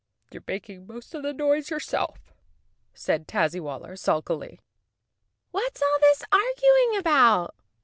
" You're making most of the noise yourself," said Taz zywaller sulkily. "What is all this arguing about?"